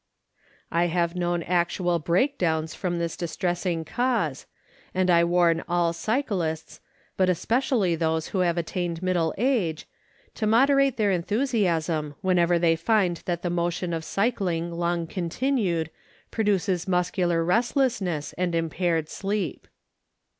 I have known actual breakdowns from this dis tressing cause, and I warn all cyclists, but especially those who have attained middle age, to moderate their enthusiasm whenever they find that the motion of cycling long continued produces muscular restlessness and impaired sleep.